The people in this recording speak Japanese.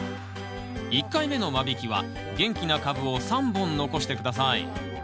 １回目の間引きは元気な株を３本残して下さい。